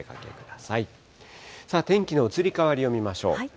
さあ、天気の移り変わりを見ましょう。